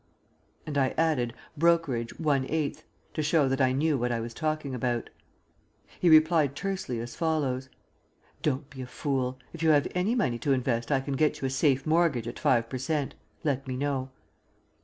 And I added "Brokerage 1/8" to show that I knew what I was talking about. He replied tersely as follows: "Don't be a fool. If you have any money to invest I can get you a safe mortgage at five per cent. Let me know."